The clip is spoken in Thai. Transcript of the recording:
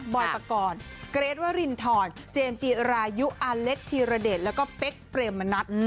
อยปกรณ์เกรทวรินทรเจมส์จีรายุอาเล็กธีรเดชแล้วก็เป๊กเปรมมณัฐ